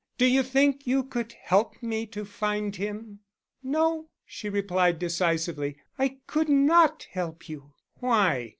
Do you think you could help me to find him?" "No," she replied decisively. "I could not help you." "Why?"